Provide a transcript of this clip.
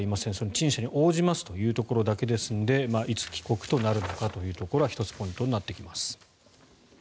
陳謝に応じますというところだけですのでいつ帰国となるのかというところは１つポイントになってきます。